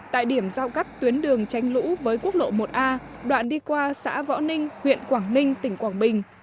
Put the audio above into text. tại điểm giao cắt tuyến đường tranh lũ với quốc lộ một a đoạn đi qua xã võ ninh huyện quảng ninh tỉnh quảng bình